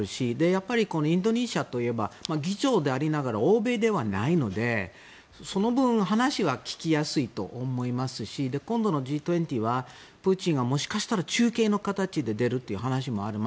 やっぱりインドネシアといえば議長でありながら欧米ではないのでその分話は聞きやすいと思いますし今度のＧ２０はプーチンがもしかしたら中継の形で出るという話もある。